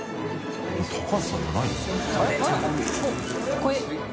これ。